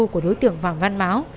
của đối tượng phạm văn máu